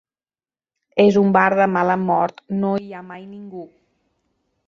És un bar de mala mort: no hi ha mai ningú.